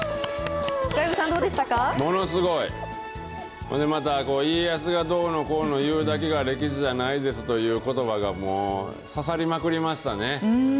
ほんでまた、家康がどうのこうのいうだけが歴史じゃないですということばがもう、刺さりまくりましたね。